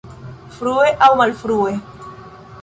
Frue aŭ malfrue!